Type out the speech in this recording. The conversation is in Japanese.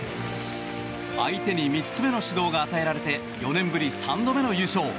相手に３つ目の指導が与えられて４年ぶり３度目の優勝。